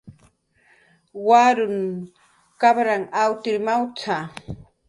"Waruw kapranh awtir mawt""a"